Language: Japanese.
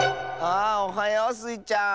あおはようスイちゃん。